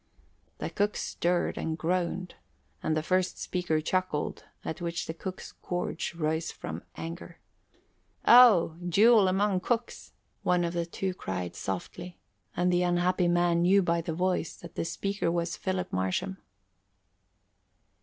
The cook stirred and groaned and the first speaker chuckled, at which the cook's gorge rose from anger. "O jewel among cooks!" one of the two called softly, and the unhappy man knew by the voice that the speaker was Philip Marsham.